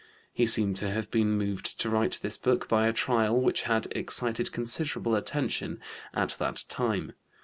He seems to have been moved to write this book by a trial which had excited considerable attention at that time.